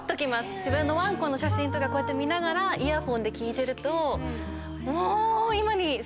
自分のワンコの写真とか見ながらイヤホンで聴いてると。